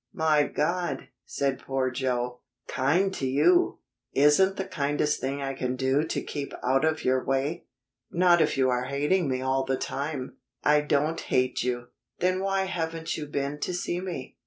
"My God!" said poor Joe. "Kind to you! Isn't the kindest thing I can do to keep out of your way?" "Not if you are hating me all the time." "I don't hate you." "Then why haven't you been to see me?